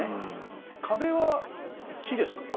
壁は木ですか？